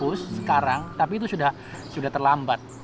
itu sudah dihapus sekarang tapi itu sudah terlambat